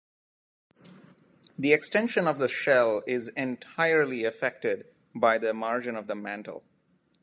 The extension of the shell is entirely effected by the margin of the mantle.